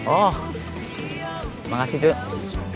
oh makasih cuk